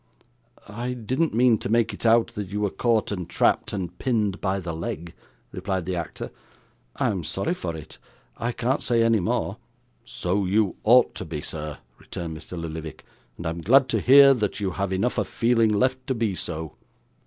'I didn't mean to make it out, that you were caught and trapped, and pinned by the leg,' replied the actor. 'I'm sorry for it; I can't say any more.' 'So you ought to be, sir,' returned Mr. Lillyvick; 'and I am glad to hear that you have enough of feeling left to be so.